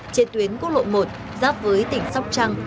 trên tuyến quốc lộ một giáp với tỉnh sóc trăng